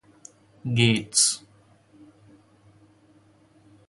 Gates.